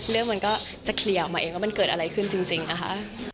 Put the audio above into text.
เรื่องมันก็จะเคลียร์ออกมาเองว่ามันเกิดอะไรขึ้นจริงนะคะ